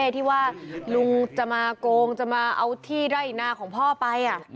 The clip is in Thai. ที่ว่าลุงจะมาโกงจะมาเอาที่ไร่นาของพ่อไป